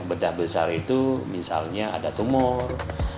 bedah besar itu misalnya ada tumor